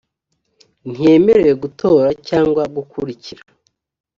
ntiyemerewe gutora cyangwa gukurikira